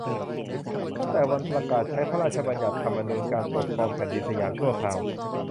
ตั้งแต่วันประกาศใช้พระราชบัญญัติธรรมนูญการปกครองแผ่นดินสยามชั่วคราว